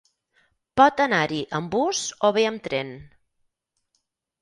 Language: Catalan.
Pot anar-hi amb bus o bé amb tren.